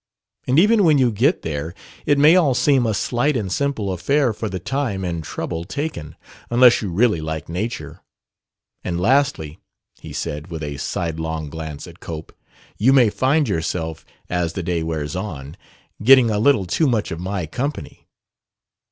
And even when you get there, it may all seem a slight and simple affair for the time and trouble taken unless you really like Nature. And lastly," he said, with a sidelong glance at Cope, "you may find yourself, as the day wears on, getting a little too much of my company."